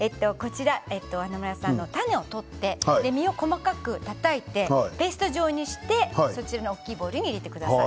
華丸さんは種を取って実を細かくたたいてペースト状にしてそちらの大きいボウルに入れてください。